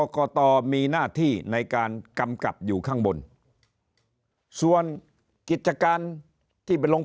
กตมีหน้าที่ในการกำกับอยู่ข้างบนส่วนกิจการที่ไปลง